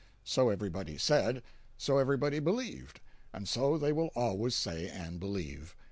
So everybody said, so everybody believed, and so they will always say and believe.